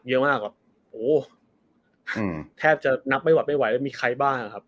เยอะมากแบบโหอืมแทบจะนับไว้หวัดไม่ไหวแล้วมีใครบ้างครับ